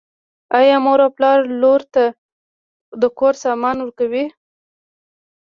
آیا مور او پلار لور ته د کور سامان نه ورکوي؟